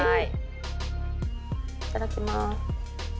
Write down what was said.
・いただきます。